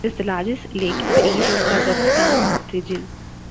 It is the largest lake in the East Kazakhstan Region.